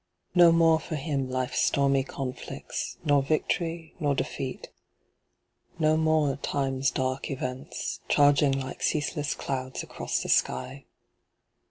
No more for him life's stormy conflicts, Nor victory, nor defeat no more time's dark events, Charging like ceaseless clouds across the sky.